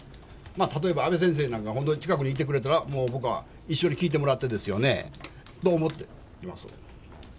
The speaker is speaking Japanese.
例えば、阿部先生なんか、本当に近くにいてくれたら、もう僕は一緒に聞いてもらって、そう思ってますよ。